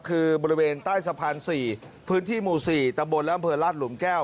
คือบริเวณใต้สะพาน๔พื้นที่หมู่๔ตำบลและอำเภอราชหลุมแก้ว